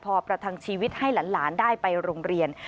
พอประทังชีวิตให้หลานได้ไปโรงเรียน